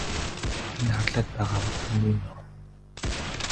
Энэ харлаад байгаа бол түймрийн нурам.